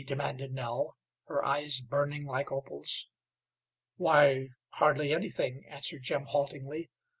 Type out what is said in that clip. demanded Nell, her eyes burning like opals. "Why, hardly anything," answered Jim, haltingly.